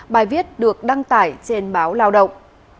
bài viết được đăng tải trên báo lao động